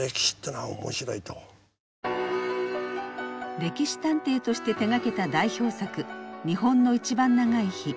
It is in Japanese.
「歴史探偵」として手がけた代表作「日本のいちばん長い日」。